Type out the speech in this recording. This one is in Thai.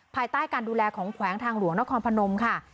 ภายใต้การดูแลของแขวงทางหลวงนครพนมค่ะ